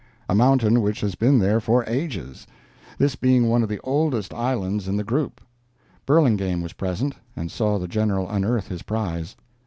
a mountain which has been there for ages, this being one of the oldest islands in the group. Burlingame was present, and saw the General unearth his prize.